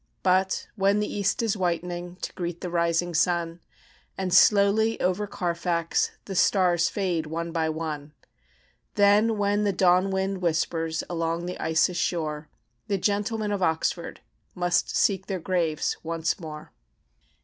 But, when the east is whitening To greet the rising sun, And slowly, over Carfax, The stars fade, one by one, Then, when the dawn wind whispers Along the Isis shore, The Gentlemen of Oxford Must seek their graves once more.